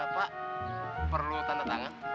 pak perlu tanda tangan